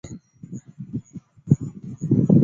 او ڊيلي ۮوڙي ڇي۔